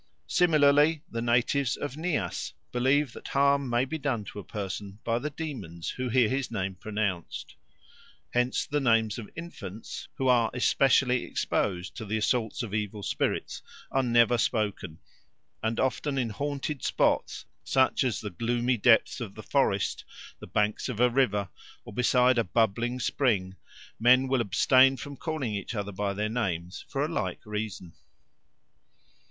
Similarly, the natives of Nias believe that harm may be done to a person by the demons who hear his name pronounced. Hence the names of infants, who are especially exposed to the assaults of evil sprits, are never spoken; and often in haunted spots, such as the gloomy depths of the forest, the banks of a river, or beside a bubbling spring, men will abstain from calling each other by their names for a like reason.